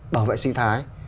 bảo vệ sinh thái